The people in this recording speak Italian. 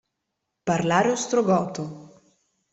Parlare ostrogoto.